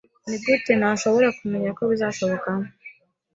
Nigute nashoboraga kumenya ko bizashoboka?